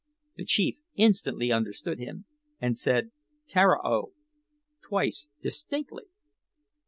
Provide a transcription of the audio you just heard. The chief instantly understood him, and said "Tararo" twice distinctly.